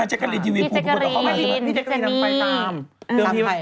พี่เจ๊กกะรีนพี่เซนนี่